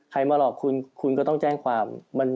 มาหลอกคุณคุณก็ต้องแจ้งความ